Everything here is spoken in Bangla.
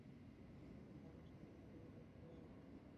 ডায়াগনিস্টিক চালিয়ে দেখবে?